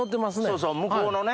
そうそう向こうのね！